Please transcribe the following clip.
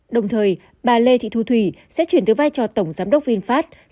đồng thời bà lê thị thu thủy sẽ truyền được vai trò tổng giám đốc vinfast